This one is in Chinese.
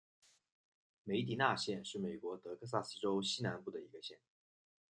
梅迪纳县是美国德克萨斯州西南部的一个县。